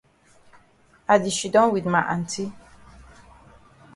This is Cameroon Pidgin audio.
I di shidon wit ma aunty.